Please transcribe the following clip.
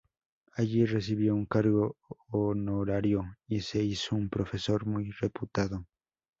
Allí recibió un cargo honorario y se hizo un profesor muy reputado.